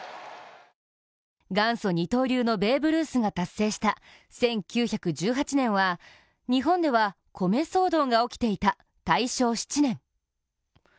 元祖二刀流のベーブ・ルースが達成した１９１８年は日本では米騒動が起きていた大正７年。